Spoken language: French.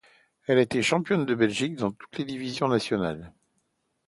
Elle a été Championne de Belgique dans toutes les divisions nationales.